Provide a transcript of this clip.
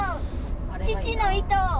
父の糸！